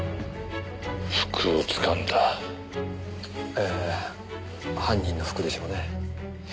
ええ犯人の服でしょうね。